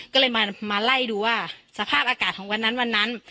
ก็เลยมาไล่ดูว่าสภาพอากาศของวันนั้นวันนั้น